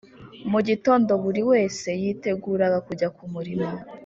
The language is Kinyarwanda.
Mu gitondo buri wese yiteguraga kujya ku murimo,